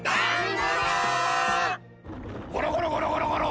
ゴロゴロゴロゴロゴロ！